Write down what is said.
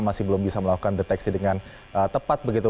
masih belum bisa melakukan deteksi dengan tepat begitu